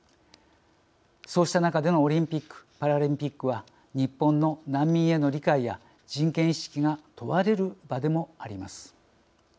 そうした中でのオリンピック・パラリンピックは日本の難民への理解や人権意識が問われる場でもあります。